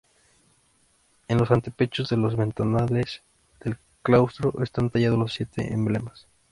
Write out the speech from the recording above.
En los antepechos de los ventanales del claustro están tallados los siete emblemas.